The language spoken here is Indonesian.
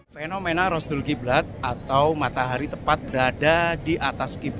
fenomena rosul qiblat atau matahari tempat berada di atas kaabah